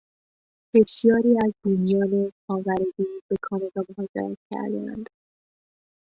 بسیاری از بومیان خاور دور به کانادا مهاجرت کردهاند.